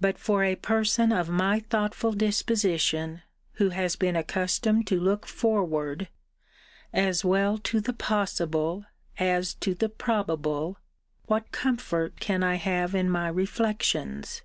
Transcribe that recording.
But, for a person of my thoughtful disposition, who has been accustomed to look forward, as well to the possible, as to the probable, what comfort can I have in my reflections?